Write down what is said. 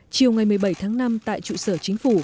chiều ngày một mươi bảy tháng năm tại trụ sở chính phủ